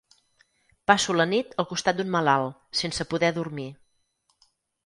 Passo la nit al costat d'un malalt, sense poder dormir.